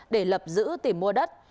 để lập giữ tìm mua đất